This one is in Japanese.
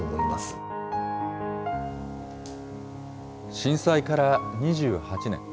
震災から２８年。